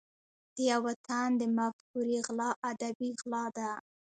د یو تن د مفکورې غلا ادبي غلا ده.